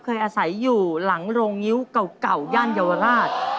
เคยอาศัยอยู่หลังโรงงิ้วเก่าย่านเยาวราช